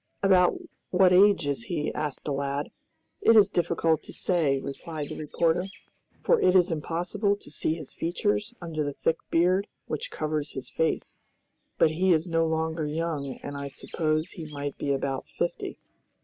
"About what age is he?" asked the lad. "It is difficult to say," replied the reporter, "for it is impossible to see his features under the thick beard which covers his face, but he is no longer young, and I suppose he might be about fifty."